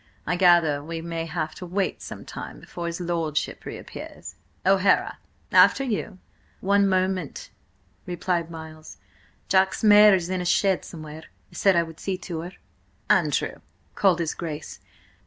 "I gather we may have to wait some time before his lordship reappears. O'Hara, after you!" "One moment," replied Miles. "Jack's mare is in a shed somewhere. I said I would see to her." "Andrew!" called his Grace.